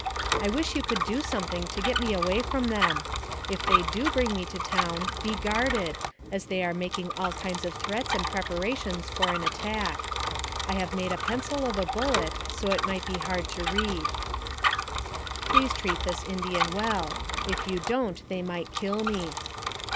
I wish you could do something to get me away from them. If they do bring me to town, be guarded, as they are making all kinds of threats and preparations for an attack. I have made a pencil of a bullet, so it might be hard to read. Please treat this Indian well. If you do n't, they might kill me."